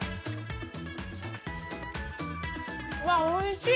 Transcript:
うわっおいしい。